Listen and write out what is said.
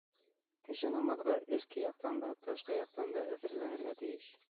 Кеше намаҙға эске яҡтан да, тышҡы яҡтан да әҙерләнергә тейеш.